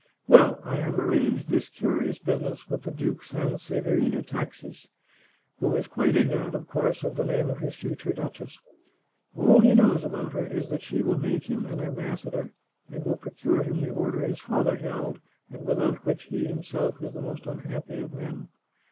Well, I have arranged this curious business with the Duke Sanseverina Taxis, who is quite ignorant, of course, of the name of his future duchess. All he knows about her is that she will make him an am bassador and will procure him the order his father held, and without which he himself is the most unhappy of men.